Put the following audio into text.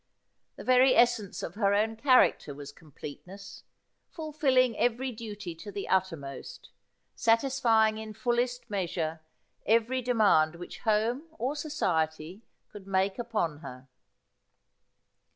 The very essence of her own character was completeness — fulfilling every duty to the uttermost, satisf j'ing in fullest measure every demand which home or society could make upon her.